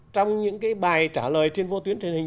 trong những bài trả lời trên vô tuyến truyền hình